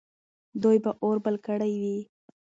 دوی به اور بل کړی وي.